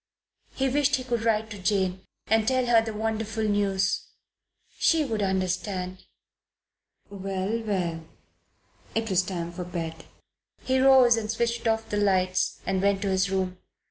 He wished he could write to Jane and tell her the wonderful news. She would understand.... Well, well! It was time for bed. He rose and switched off the lights and went to his room.